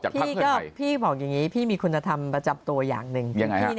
พี่ก็พี่บอกอย่างนี้พี่มีคุณธรรมประจำตัวอย่างหนึ่ง